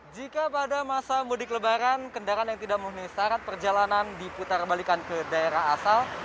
jika pada masa mudik lebaran kendaraan yang tidak memenuhi syarat perjalanan diputar balikan ke daerah asal